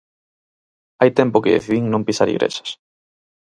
Hai tempo que decidín non pisar igrexas.